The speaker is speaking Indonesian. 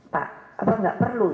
pak apa gak perlu